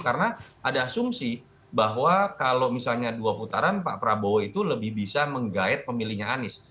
karena ada asumsi bahwa kalau misalnya dua putaran pak prabowo itu lebih bisa menggait pemilihnya anies